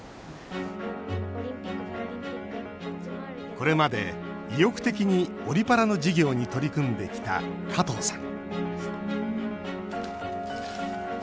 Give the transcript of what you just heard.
これまで、意欲的にオリパラの授業に取り組んできた加藤さん。